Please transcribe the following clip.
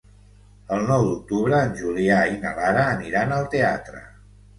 El nou d'octubre en Julià i na Lara aniran al teatre.